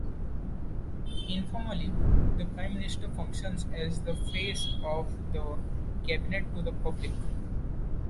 Informally the Prime Minister functions as the "face" of the cabinet to the public.